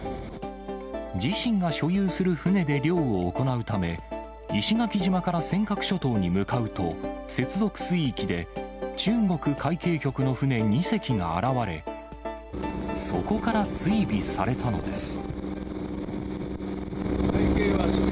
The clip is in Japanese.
自身が所有する船で漁を行うため、石垣島から尖閣諸島に向かうと、接続水域で、中国海警局の船２隻が現れ、そこから追尾されたのです。